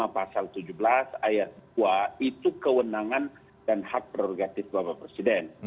pasal tujuh belas ayat dua itu kewenangan dan hak prerogatif bapak presiden